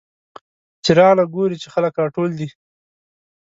چې راغله ګوري چې خلک راټول دي.